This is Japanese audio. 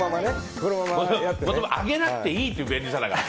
揚げなくていいという便利さだから。